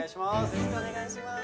よろしくお願いします。